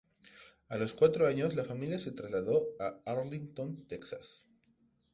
A los cuatro años, la familia se trasladó a Arlington, Texas.